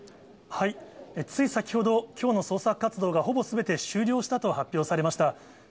つい先ほど、きょうの捜索活動が、ほぼすべて終了したと発表されました。